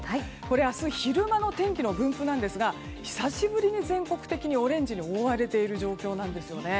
明日、昼間の天気の分布ですが久しぶりに全国的にオレンジに覆われている状況なんです。